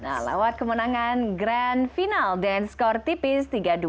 nah lewat kemenangan grand final dengan skor tipis tiga dua